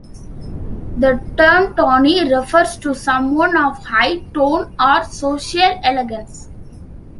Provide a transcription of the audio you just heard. The term "tony" refers to someone of high "tone" or social elegance.